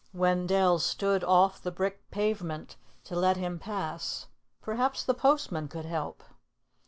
Wendell stood off the brick pavement to let him pass. Perhaps the postman could help.